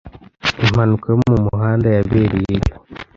Impanuka yo mumuhanda yabereyeyo.